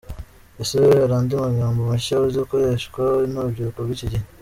Ese wowe hari andi magambo mashya uzi akoreshwa n’urubyiruko rw’iki gihe ?.